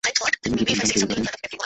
তিনি দুটি উদ্যান তৈরি করেন।